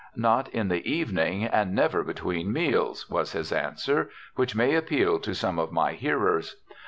"Not in the evening, and never between meals!" was his answer, which may appeal to some of my hearers.